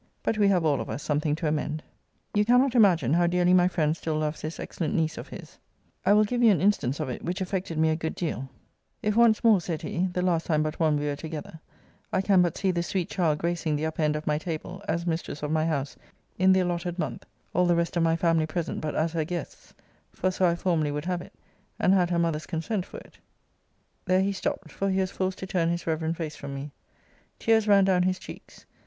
But we have all of us something to amend. You cannot imagine how dearly my friend still loves this excellent niece of his. I will give you an instance of it, which affected me a good deal 'If once more, said he, (the last time but one we were together,) I can but see this sweet child gracing the upper end of my table, as mistress of my house, in my allotted month; all the rest of my family present but as her guests; for so I formerly would have it; and had her mother's consent for it ' There he stopt; for he was forced to turn his reverend face from me. Tears ran down his cheeks.